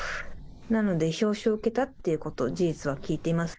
なので、表彰受けたって事実は聞いています。